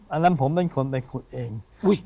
อันนั้นผมเป็นคนไปขุดเอง